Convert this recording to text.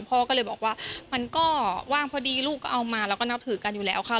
พ่อก็เลยบอกว่ามันก็ว่างพอดีลูกก็เอามาเราก็นับถือกันอยู่แล้วค่ะ